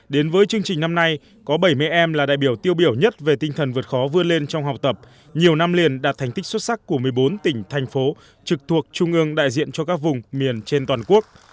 đến với chương trình năm nay có bảy mươi em là đại biểu tiêu biểu nhất về tinh thần vượt khó vươn lên trong học tập nhiều năm liền đạt thành tích xuất sắc của một mươi bốn tỉnh thành phố trực thuộc trung ương đại diện cho các vùng miền trên toàn quốc